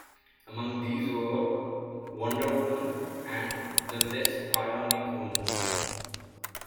Among these were "Wonder Woman" and "The Lesbionic Woman.